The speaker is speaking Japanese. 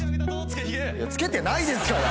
付けてないですから！